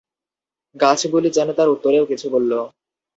গাছগুলি যেন তার উত্তরেও কিছু বলল।